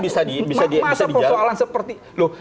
masa persoalan seperti